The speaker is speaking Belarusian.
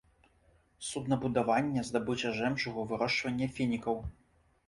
Суднабудаванне, здабыча жэмчугу, вырошчванне фінікаў.